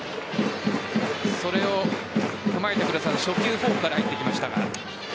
それを踏まえて、初球フォークから入っていきましたが。